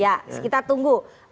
ya kita tunggu